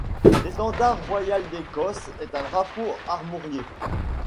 L'étendard royal d'Écosse est un drapeau armorié.